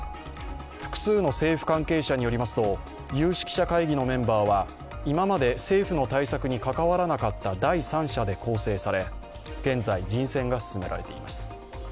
複数の政府関係者によりますと有識者会議のメンバーは、今まで政府の対策に関わらなかった第三者で構成され現在、人選が進められています。